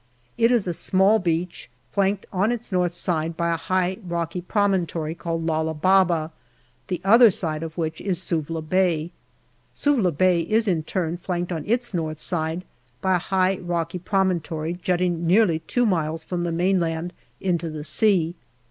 It is a small beach, flanked on its north side by a high rocky promontory called Lala Baba, the other side of which is Suvla Bay. Suvla Bay is in turn flanked on its north side by a high rocky promontory, jutting nearly two miles from the mainland into the sea.